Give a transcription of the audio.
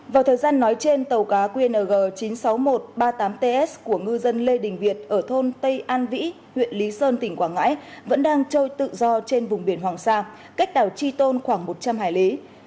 vào thời gian nói trên tàu cá qng chín mươi sáu nghìn một trăm ba mươi tám ts của ngư dân lê đình việt ở thôn tây an vĩ huyện lý sơn tỉnh quảng ngãi vẫn đang trôi tự do trên vùng biển hoàng sa cách đảo chi tôn khoảng một trăm linh hải lý